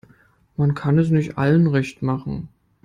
Man kann es nicht allen recht machen.